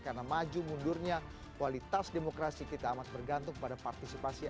karena maju mundurnya kualitas demokrasi kita amat bergantung pada partisipasi